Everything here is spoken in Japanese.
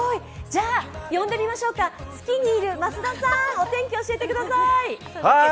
じゃあ、呼んでみましょうか、月にいる増田さんお天気教えてください。